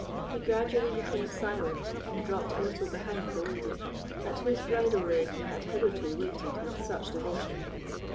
He gradually became silent, and dropped a little behind the lady, at whose bridle rein he had hitherto waited with such devotion.